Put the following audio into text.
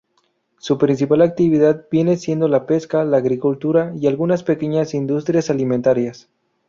Su principal actividad viene siendo la pesca, la agricultura y algunas pequeñas industrias alimentarias.